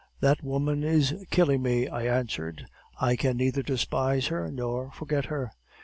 "'That woman is killing me,' I answered; 'I can neither despise her nor forget her.